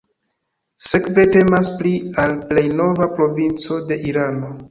Sekve temas pri al plej nova provinco de Irano.